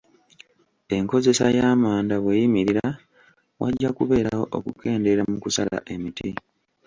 Enkozesa y'amanda bweyimirira, wajja kubeerawo okukendeera mu kusala emiti,